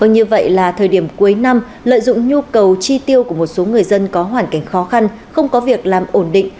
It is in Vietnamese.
như vậy là thời điểm cuối năm lợi dụng nhu cầu chi tiêu của một số người dân có hoàn cảnh khó khăn không có việc làm ổn định